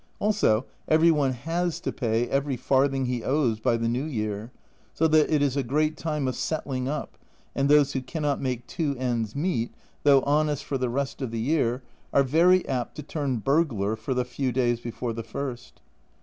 Also every one has to pay every farthing he owes by the New Year, so that it is a great time of settling up, and those who cannot make two ends meet, though honest for the rest of the year, are very apt to turn burglar for the few days before the ist.